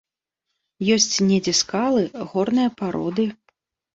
Ёсць недзе скалы, горныя пароды.